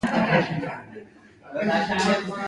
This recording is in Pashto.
کوه بند ولسوالۍ غرنۍ ده؟